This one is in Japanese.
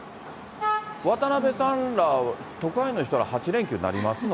渡辺さんら、特派員の人ら、８連休になりますの？